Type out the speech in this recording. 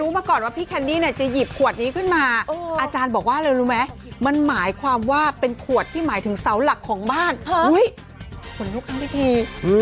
มันก็แบบฉันจะอยู่งี้